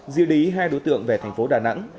di lý hai đối tượng về thành phố đà nẵng